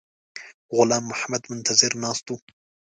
غلام محمد منتظر ناست وو.